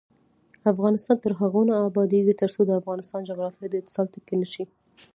افغانستان تر هغو نه ابادیږي، ترڅو د افغانستان جغرافیه د اتصال ټکی نشي.